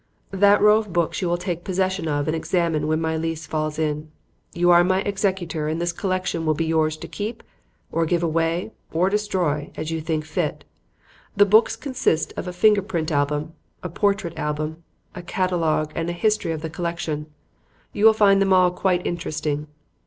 "That row of books you will take possession of and examine when my lease falls in. You are my executor and this collection will be yours to keep or give away or destroy, as you think fit. The books consist of a finger print album, a portrait album, a catalogue and a history of the collection. You will find them all quite interesting.